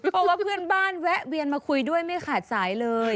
เพราะว่าเพื่อนบ้านแวะเวียนมาคุยด้วยไม่ขาดสายเลย